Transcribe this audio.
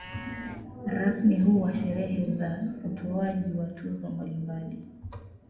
Rasmi huwa sherehe za utoaji wa tuzo mbalimbali.